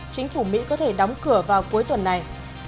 chính phủ mỹ có thể đóng cửa vào cuối tuần này